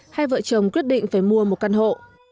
hai vợ chồng quyết định phải mua một căn hộ